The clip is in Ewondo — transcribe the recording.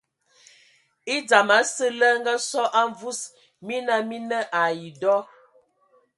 E dzam asǝ lə ngasō a mvus, mina mii nə ai dɔ.